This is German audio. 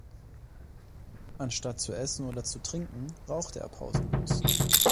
Anstatt zu essen oder zu trinken, rauchte er pausenlos.